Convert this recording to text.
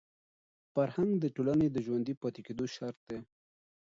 فرهنګ د ټولني د ژوندي پاتې کېدو شرط دی.